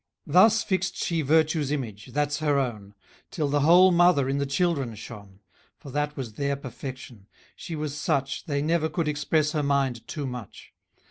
Thus fixed she virtue's image, (that's her own,) Till the whole mother in the children shone; For that was their perfection: she was such, They never could express her mind too much.